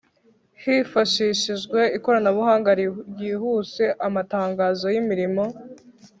Hifashishijwe ikoranabuhanga ryihuse amatangazo y’imirimo